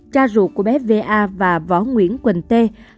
cha ruột của bé v a và võ nguyễn quỳnh t